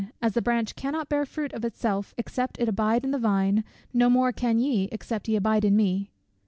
As the branch cannot bear fruit of itself except it abide in the vine, no more can ye except ye abide in me."